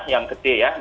yang gede ya